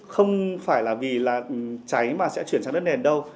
không phải là vì là cháy mà sẽ chuyển sang đất nền đâu